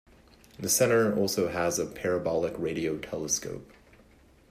The centre also has a parabolic radio telescope.